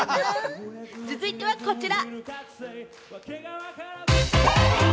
続いてはこちら。